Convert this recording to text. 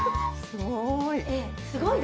すごーい。